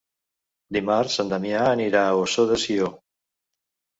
Dimarts en Damià anirà a Ossó de Sió.